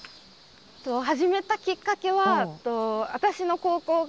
始めたきっかけは水沢高校なの！？